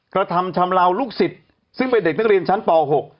กระทำชำลาวลูกศิษย์ซึ่งเป็นเด็กนักเรียนชั้นป๖